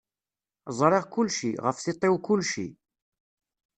Ẓriɣ kullci, ɣef tiṭ-iw kullci.